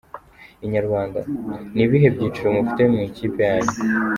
Inyarwanda: Ni ibihe byiciro mufite mu ikipe yanyu?.